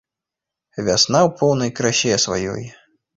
Вясна ў поўнай красе сваёй.